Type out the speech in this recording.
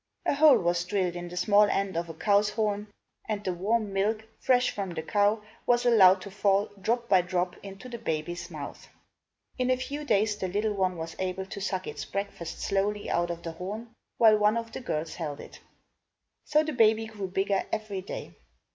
A hole was drilled in the small end of a cow's horn and the warm milk, fresh from the cow, was allowed to fall, drop by drop, into the baby's mouth. In a few days the little one was able to suck its breakfast slowly out of the horn, while one of the girls held it. So the baby grew bigger every day.